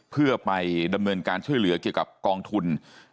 เพื่อไปดำเนินการช่วยเหลือเกี่ยวกับกองทุน